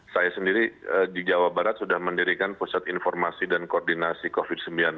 saya sendiri di jawa barat sudah mendirikan pusat informasi dan koordinasi covid sembilan belas